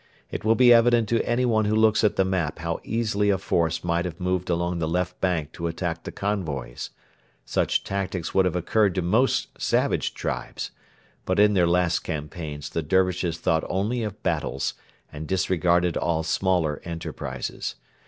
It will be evident to anyone who looks at the map how easily a force might have moved along the left bank to attack the convoys. Such tactics would have occurred to most savage tribes. But in their last campaigns the Dervishes thought only of battles, and disregarded all smaller enterprises.